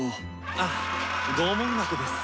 あっ拷問学です。